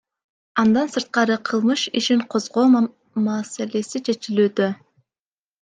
Андан сырткары кылмыш ишин козгоо маселеси чечилүүдө.